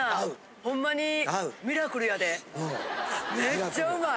ミラクルやでめっちゃうまい。